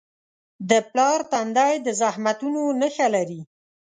د پلار تندی د زحمتونو نښه لري.